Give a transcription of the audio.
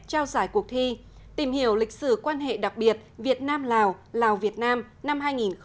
trao giải cuộc thi tìm hiểu lịch sử quan hệ đặc biệt việt nam lào lào việt nam năm hai nghìn một mươi tám